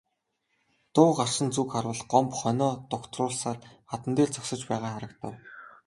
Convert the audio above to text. Дуу гарсан зүг харвал Гомбо хонио дугтруулсаар хадан дээр зогсож байгаа харагдав.